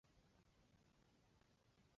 仰望着星空